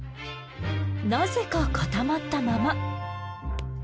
なぜか固まったまま。